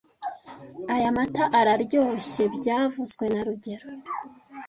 Aya mata araryoshye byavuzwe na rugero